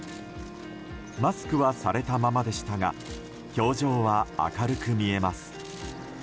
マスクはされたままでしたが表情は明るく見えます。